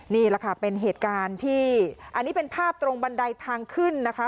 นี่แหละค่ะเป็นเหตุการณ์ที่อันนี้เป็นภาพตรงบันไดทางขึ้นนะคะ